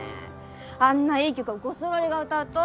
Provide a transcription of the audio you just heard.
あんないい曲をゴスロリが歌うと？